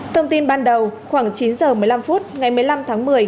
thông tin ban đầu khoảng chín h một mươi năm phút ngày một mươi năm tháng một mươi